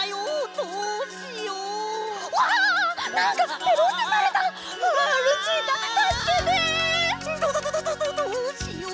どうしよう！